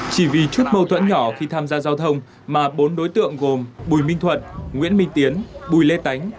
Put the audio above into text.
chỉ vì chút mâu thuẫn nhỏ khi tham gia giao thông mà bốn đối tượng gồm bùi minh thuận nguyễn minh tiến bùi lê tánh